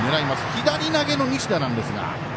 左投げの西田なんですが。